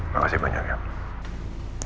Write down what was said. makasih banyak al